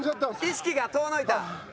意識が遠のいた？